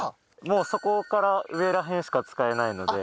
もうそこから上ら辺しか使えないので。